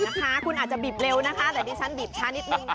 อร่อยนะครับคุณอาจจะบีบเร็วนะคะแต่ดิฉันบีบช้านิดนึงนะคะ